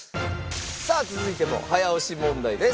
さあ続いても早押し問題です。